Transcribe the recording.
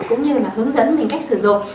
cũng như là hướng dẫn mình cách sử dụng